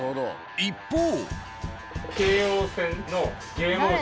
一方。